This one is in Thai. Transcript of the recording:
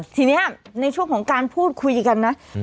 ทีนี้ในช่วงของการพูดคุยกันนะ